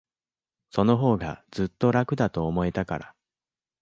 そのほうが、ずっと楽だと思えたから。